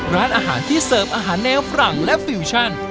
ร้านอาหารที่เสิร์ฟอาหารแนวฝรั่งและฟิวชั่น